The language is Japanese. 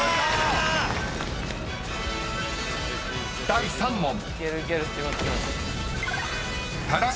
［第３問］